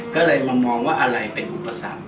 ก็เลยมามองว่าอะไรเป็นอุปสรรค